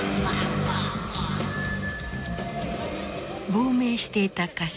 亡命していた歌手